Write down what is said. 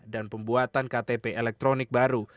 dan pembuatan ktp elektronik baru